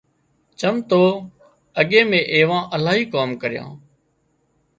چم تو اڳي مين ايوان الاهي ڪام ڪريان